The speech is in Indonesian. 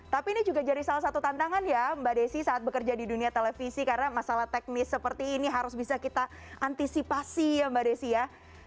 tapi ini juga jadi salah satu tantangan ya mbak desi saat bekerja di dunia televisi karena masalah teknis seperti ini harus bisa kita antisipasi ya mbak desi ya